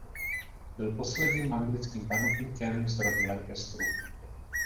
Byl posledním anglickým panovníkem z rodu Lancasterů.